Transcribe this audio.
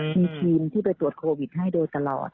มีทีมที่ไปตรวจโควิดให้โดยตลอด